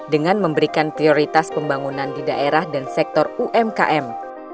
dengan memberikan prioritas pembangunan di daerah dan sektor umkm